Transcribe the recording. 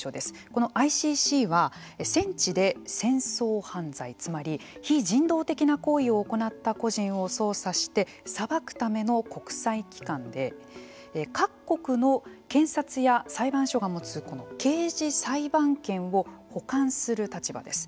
このＩＣＣは戦地で戦争犯罪つまり非人道的な行為を行った個人を捜査して裁くための国際機関で各国の検察や裁判所が持つ刑事裁判権を補完する立場です。